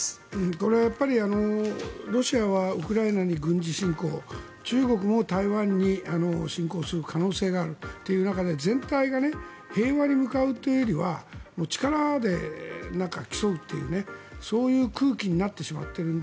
これはやっぱりロシアはウクライナに軍事侵攻中国も台湾に侵攻する可能性があるという中で全体が平和に向かうというよりは力で競うというそういう空気になってしまっているので。